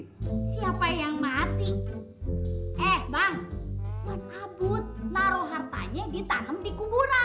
siapa yang mati eh bang men kabut naruh hartanya ditanam di kuburan